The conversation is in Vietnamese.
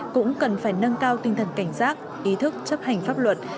cũng cần phải nâng cao tinh thần cảnh giác ý thức chấp hành pháp luật